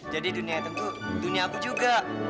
jadi dunia itu tentu dunia aku juga